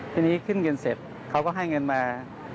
ทีนี้ขึ้นเงินเสร็จเขาก็ให้เงินมา